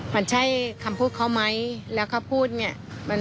มันใช่คำพูดเขาไหมแล้วเขาพูดเนี่ย